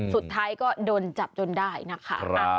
สุดท้ายก็โดนจับจนได้นะคะ